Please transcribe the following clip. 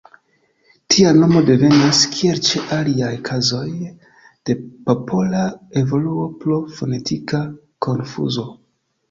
Tia nomo devenas, kiel ĉe aliaj kazoj, de popola evoluo pro fonetika konfuzo.